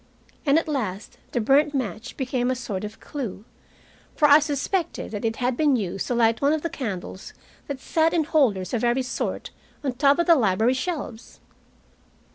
And at last the burnt match became a sort of clue, for I suspected that it had been used to light one of the candles that sat in holders of every sort, on the top of the library shelves.